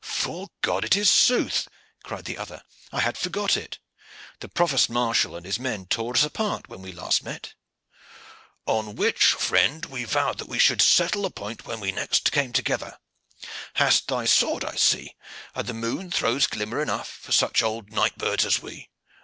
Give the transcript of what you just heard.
"'Fore God, it is sooth!" cried the other; "I had forgot it. The provost marshal and his men tore us apart when last we met." "On which, friend, we vowed that we should settle the point when next we came together. Hast thy sword, I see, and the moon throws glimmer enough for such old night birds as we.